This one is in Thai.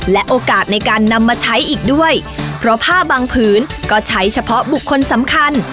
และโอกาสในการนำมาใช้อีกด้วยเพราะผ้าบางผืนก็ใช้เฉพาะบุคคลสำคัญ